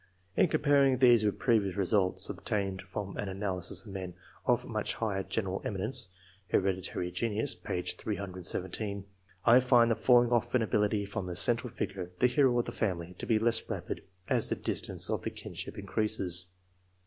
In comparing these with previous results, obtained from an analysis of men of much higher general eminence ("Hereditary Genius," p. 317), I find the falling off in ability from the central figure, the hero of the family, to be less rapid as the distance of the kinship increases.